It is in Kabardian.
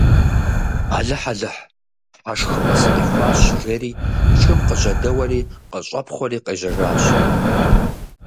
– Алыхь-Алыхь, хьэшхыпӀэ сыкъихуащ, – жери шым къыжьэдэуэри къыщӀэпхъуэри къежьэжащ.